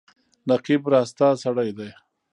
نقيب راسته سړی دی.